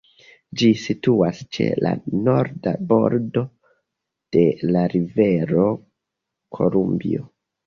Ĝi situas ĉe la norda bordo de la rivero Kolumbio.